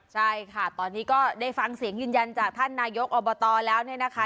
ใช่ค่ะตอนนี้ก็ได้ฟังเสียงยืนยันจากท่านนายกอบตแล้วเนี่ยนะคะ